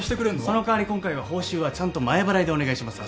その代わり今回は報酬はちゃんと前払いでお願いします。